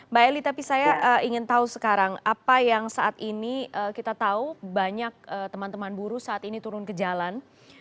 mbak eli tapi saya ingin tahu sekarang apa yang saat ini kita tahu banyak teman teman buruh saat ini turun ke jalan